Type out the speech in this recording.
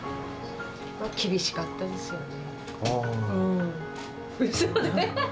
厳しかったですよね。